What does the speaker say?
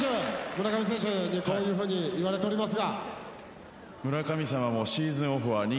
村上選手にこういうふうに言われておりますが。